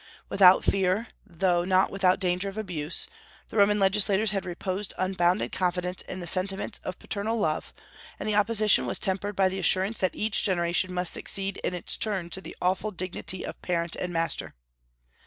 Without fear, though not without danger of abuse, the Roman legislators had reposed unbounded confidence in the sentiments of paternal love, and the oppression was tempered by the assurance that each generation must succeed in its turn to the awful dignity of parent and master."